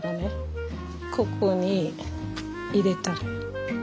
ここに入れたれ。